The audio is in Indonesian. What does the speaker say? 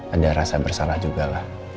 ada rasa bersalah juga lah